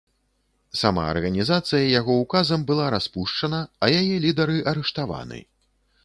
Сама арганізацыя яго ўказам была распушчана, а яе лідары арыштаваны.